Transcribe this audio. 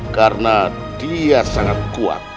karena dia sangat kuat